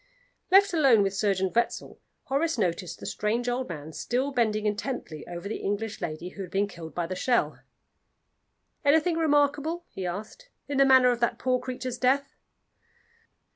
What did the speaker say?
Left alone with Surgeon Wetzel, Horace noticed the strange old man still bending intently over the English lady who had been killed by the shell. "Anything remarkable," he asked, "in the manner of that poor creature's death?"